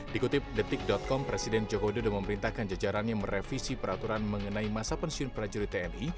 dikutip detik com presiden joko widodo sudah memerintahkan jajarannya merevisi peraturan mengenai masa pensiun prajurit tni